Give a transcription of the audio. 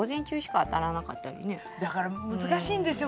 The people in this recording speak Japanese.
だから難しいんですよ